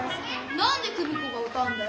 何で久美子が歌うんだよ！